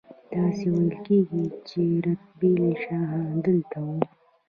داسې ویل کیږي چې رتبیل شاهان دلته وو